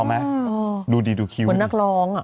พอไหมดูดิดูคิวดิ